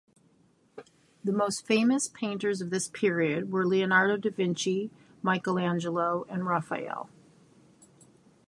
The most famous painters of this period were Leonardo da Vinci, Michelangelo, and Raphael.